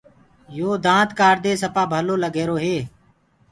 يو دآند ڪآڙدي سپآ ڀلو لگ رهيرو هي۔